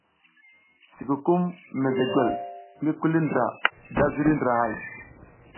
Sikukum mezegwel ngi kuli ndra da ziriy ndrahay.